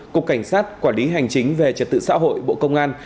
cục cảnh sát quản lý hành chính về trật tự xã hội bộ công an